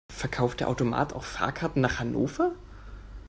Verkauft der Automat auch Fahrkarten nach Hannover?